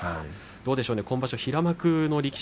どうですか今場所、平幕の力士